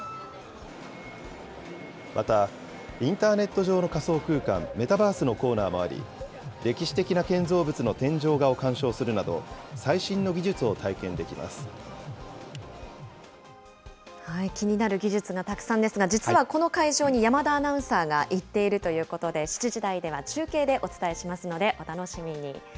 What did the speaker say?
また、インターネット上の仮想空間、メタバースのコーナーもあり、歴史的な建造物の天井画を鑑賞するなど、最新の技術を体験できま気になる技術がたくさんですが、実はこの会場に山田アナウンサーが行っているということで、７時台では中継でお伝えしますので、お楽しみに。